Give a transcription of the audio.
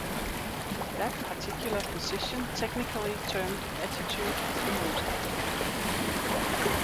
That particular position technically termed attitude is the most elegant.